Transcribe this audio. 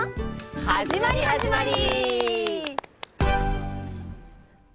はじまりはじまり！